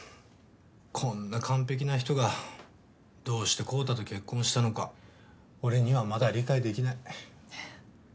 こんな完璧な人がどうして昂太と結婚したのか俺にはまだ理解できない。